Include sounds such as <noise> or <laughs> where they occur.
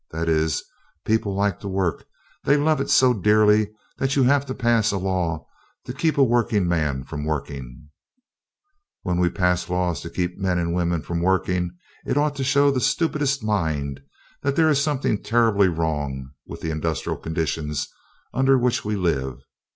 That is, people like to work; they love it so dearly that you have to pass a law to keep a working man from working. <laughs> When we pass laws to keep men and women from working it ought to show the stupidest mind that there is something terribly wrong with the industrial conditions under which we live.